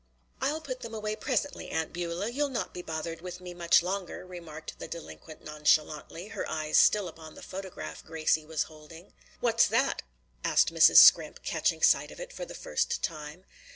"I'll put them away presently, Aunt Beulah. You'll not be bothered with me much longer," remarked the delinquent nonchalantly, her eyes still upon the photograph Gracie was holding. "What's that?" asked Mrs. Scrimp, catching sight of it for the first time.